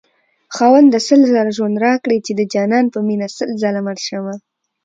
خاونده سل ځله ژوند راكړې چې دجانان په مينه سل ځله مړشمه